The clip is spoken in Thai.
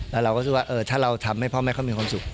แล้วเราก็รู้สึกว่าถ้าเราทำให้พ่อแม่เขามีความสุข